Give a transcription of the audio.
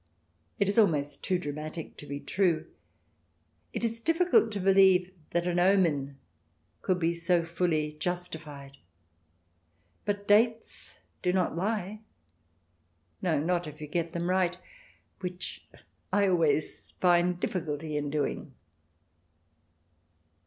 It is almost too dramatic to be true. It is difficult to believe that an omen could be so fully justified. But dates do not lie — no, not if you get them right, which I always find difficulty in doing.